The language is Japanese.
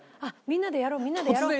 みんなでやろうみんなでやろう。